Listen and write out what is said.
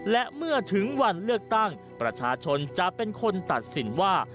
และเมื่อถึงวันเลือกตั้งประชาชนจะเป็นคนตัดสินว่า